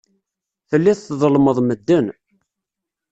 Telliḍ tḍellmeḍ medden.